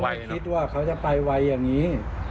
เราไม่คิดว่าเขาจะไปไวอย่างนี้